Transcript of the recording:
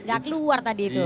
tidak keluar tadi itu